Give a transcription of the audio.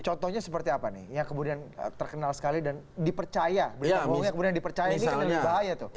contohnya seperti apa nih yang kemudian terkenal sekali dan dipercaya berita bohong yang kemudian dipercaya ini kan lebih bahaya tuh